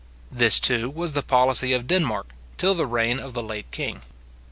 This, too, was the policy of Denmark, till the reign of the late king.